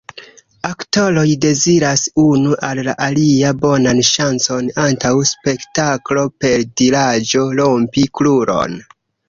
Aktoroj deziras unu al la alia bonan ŝancon antaŭ spektaklo per diraĵo "Rompi kruron!